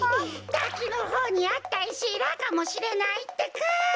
たきのほうにあったいしラかもしれないってか！